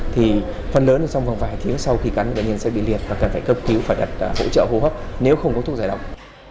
thì phần lớn xong vàng vài tiếng sau khi cắn thì đáng nhiên sẽ bị liệt và cần phải cấp cứu phải đặt hỗ trợ hô hấp nếu không có thuốc giải động